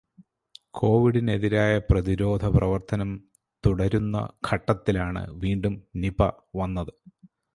കോവിഡിനെതിരായ പ്രതിരോധ പ്രവര്ത്തനം തുടരുന്ന ഘട്ടത്തിലാണ് വീണ്ടും നിപ വന്നത്.